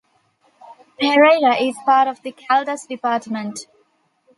Pereira is part of the Caldas department.